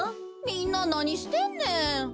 みんななにしてんねん。